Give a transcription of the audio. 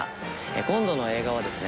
今度の映画はですね